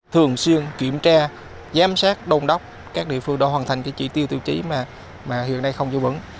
thường xuyên kiểm tra giám sát đồn đốc các địa phương đoàn hoàn thành cái chỉ tiêu tiêu chí mà hiện nay không giữ vững